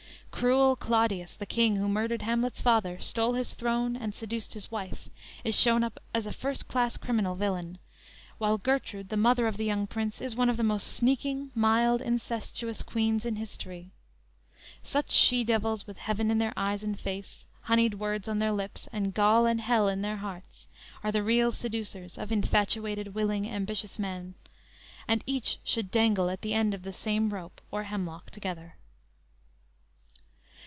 Cruel Claudius, the king who murdered Hamlet's father, stole his throne and seduced his wife, is shown up as a first class criminal villain, while Gertrude, the mother of the young prince, is one of the most sneaking, mild, incestuous queens in history. Such she devils, with heaven in their eyes and face, honeyed words on their lips, and gall and hell in their hearts, are the real seducers of infatuated, willing, ambitious man; and each should dangle at the end of the same rope or hemlock together!